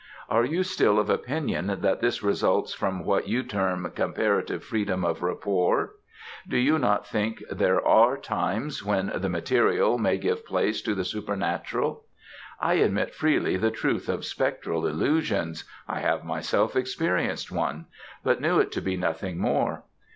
Are you still of opinion that this results from what you term comparative freedom of rapport! Do you not think there are times when the material may give place to the supernatural? I admit freely the truth of spectral illusions I have myself experienced one but knew it to be nothing more.